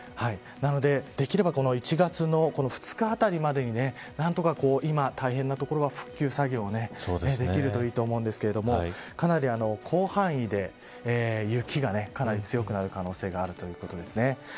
できれば１月２日あたりまでに何とか今大変な所は復旧作業をできるといいと思うんですけどもかなり広範囲で雪がかなり強くなる可能性があるということです。